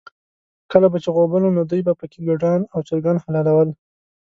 کله به چې غوبل و، نو دوی به پکې ګډان او چرګان حلالول.